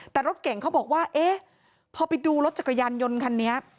แต่รถเก่งเขาบอกว่าเอ๊ะพอไปดูรถจักรยานยนต์คันนี้